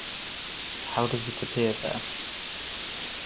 How does it appear there?